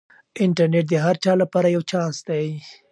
انټرنیټ د هر چا لپاره یو چانس دی.